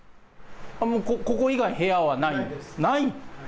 ここ以外に部屋はないんですか？